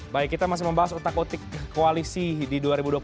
baik kita masih membahas otak otik koalisi di dua ribu dua puluh empat